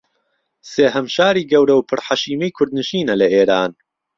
سێھەم شاری گەورە و پر حەشیمەی کوردنشینە لە ئیران